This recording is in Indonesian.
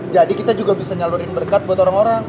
kita juga bisa nyalurin berkat buat orang orang